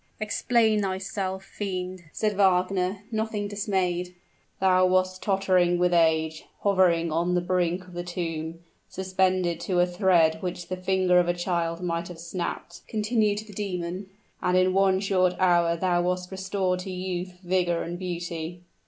"Explain thyself, fiend!" said Wagner, nothing dismayed. "Thou wast tottering with age hovering on the brink of the tomb suspended to a thread which the finger of a child might have snapped," continued the demon; "and in one short hour thou wast restored to youth, vigor, and beauty."